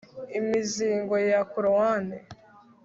Imizingo ya Korowani